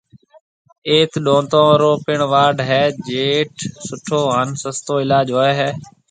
ايٿ ڏونتون رو پڻ وارڊ ھيََََ جيٽ سُٺو ھان سستو علاج ھوئيَ ھيََََ۔